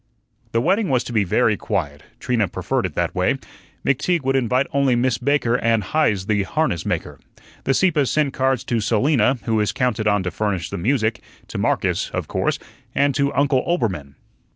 The wedding was to be very quiet; Trina preferred it that way. McTeague would invite only Miss Baker and Heise the harness maker. The Sieppes sent cards to Selina, who was counted on to furnish the music; to Marcus, of course; and to Uncle Oelbermann.